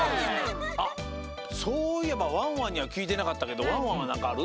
あっそういえばワンワンにはきいてなかったけどワンワンはなんかある？